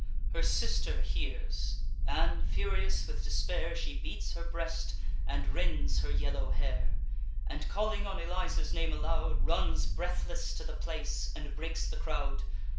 Her sister hears; and, furious with despair, She beats her breast, and rends her yellow hair, And, calling on Eliza's name aloud, Runs breathless to the place, and breaks the crowd.